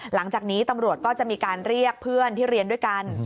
หลังจากนี้ตำรวจก็จะมีการเรียกเพื่อนที่เรียนด้วยกัน